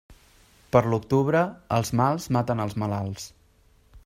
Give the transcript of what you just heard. Per l'octubre, els mals maten els malalts.